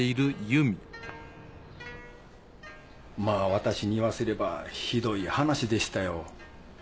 まぁ私に言わせればひどい話でしたよ。